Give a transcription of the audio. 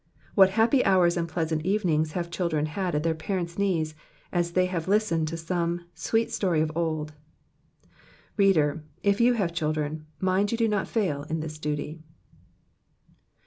What happy hours and pleasant evenings have children had at their parents* knees as they have listened to some *' sweet story of old.*' Reader, if you have children,' mind you do not fail in this duty.